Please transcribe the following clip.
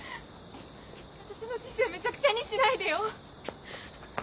私の人生めちゃくちゃにしないでよ！